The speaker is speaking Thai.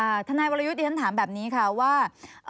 ค่ะท่านนายวรรยุทธ์ที่ท่านถามแบบนี้ค่ะว่า